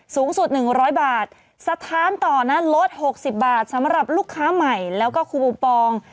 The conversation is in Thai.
สูงสุดหนึ่งร้อยบาทสถานต่อนะลดหกสิบบาทสำหรับลูกค้าใหม่แล้วก็คุมปอง